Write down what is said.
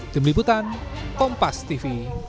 tim liputan kompas tv